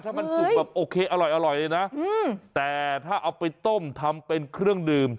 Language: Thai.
ถ้ามันสุกแบบโอเคอร่อยเลยนะแต่ถ้าเอาไปต้มทำเป็นเครื่องดื่ม